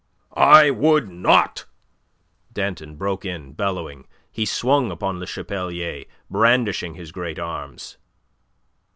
"I would not!" Danton broke in, bellowing. He swung upon Le Chapelier, brandishing his great arms.